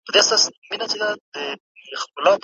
که تاریخي واقعیت نه وي نو داستان بې مانا دئ.